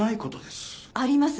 あります！